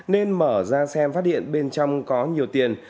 nên mở ra xem phát điện bên trong có nhiều tiền